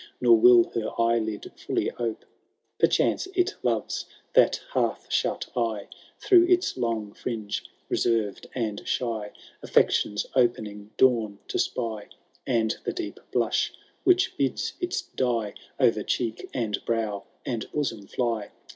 Nor will her eyelid fully ope *, Perchance it loves, that half shut eye, Through its long fiinge, reserved and shy. Affection^ opening dawn to spy ; And the deep blush, which bids its dye O^er cheek, and brow, and bosom fly.